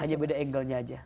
hanya beda angle nya aja